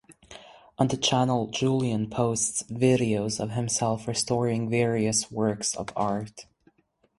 On the channel Julian posts videos of himself restoring various works of art.